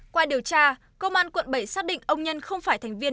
qua điều tra công an quận bảy xác định ông nhân không phải thành viên